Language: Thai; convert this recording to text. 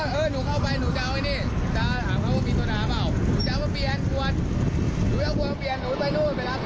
นี่อยู่ข้างแหลมนะครับ